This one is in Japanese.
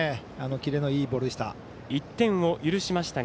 キレのいいボールでした。